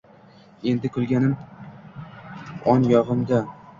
Endi kulganim on yonog’imda